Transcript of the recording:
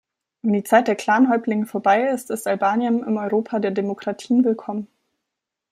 Wenn die Zeit der Clanhäuptlinge vorbei ist, ist Albanien im Europa der Demokratien willkommen.